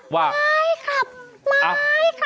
ไม่กลับไม่กลับ